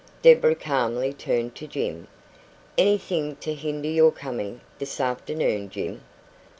Deborah calmly turned to Jim. "Anything to hinder your coming this afternoon, Jim?"